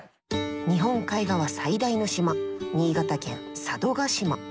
日本海側最大の島新潟県佐渡島。